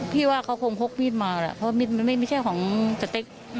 พี่ว่าเขาคงพกมีดมาแหละเพราะมันไม่ใช่ของสเต็ก